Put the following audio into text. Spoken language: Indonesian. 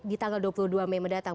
di tanggal dua puluh dua mei mendatang